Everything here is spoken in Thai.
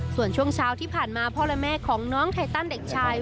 ส่วนช่วงเช้าที่ผ่านมาพ่อและแม่ของน้องไทตันเด็กชาย